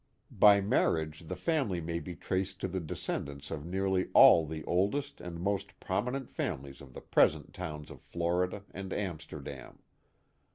By marriage the family may be traced to the descendants of nearly all the oldest and most prominent families of the present towns of Florida and Amsterdam.